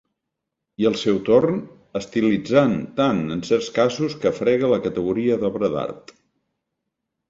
I al seu torn, estilitzant tant en certs casos que frega la categoria d'obra d'art.